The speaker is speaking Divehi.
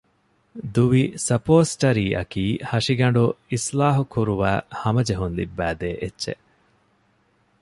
ދުވި ސަޕޯސްޓަރީއަކީ ހަށިގަނޑު އިޞްލާޙުކުރުވައި ހަމަޖެހުން ލިއްބައިދޭ އެއްޗެއް